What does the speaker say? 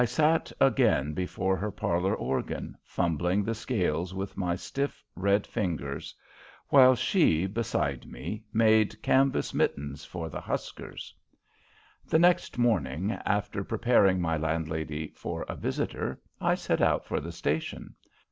I sat again before her parlour organ, fumbling the scales with my stiff, red fingers, while she, beside me, made canvas mittens for the huskers. The next morning, after preparing my landlady for a visitor, I set out for the station.